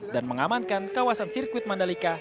dan mengamankan kawasan sirkuit mandalika